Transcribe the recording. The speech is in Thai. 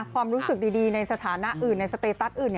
ความรู้สึกดีในสถานะอื่นในสเตตัสอื่น